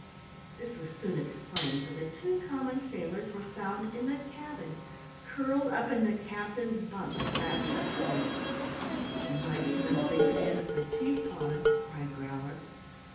This was soon explained, for the two common sailors were found in the cabin, curled up in the Captain's bunk, fast asleep. "A nice mess they'd be in if the Chief caught 'em!" cried Growler.